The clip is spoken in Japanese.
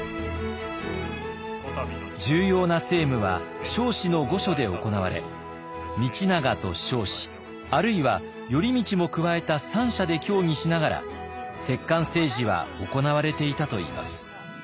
重要な政務は彰子の御所で行われ道長と彰子あるいは頼通も加えた三者で協議しながら摂関政治は行われていたといいます。